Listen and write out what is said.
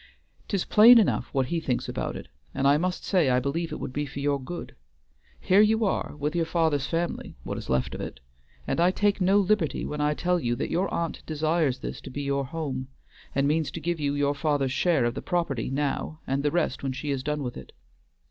'Tis plain enough what he thinks about it, and I must say I believe it would be for your good. Here you are with your father's family, what is left of it; and I take no liberty when I tell you that your aunt desires this to be your home, and means to give you your father's share of the property now and the rest when she is done with it.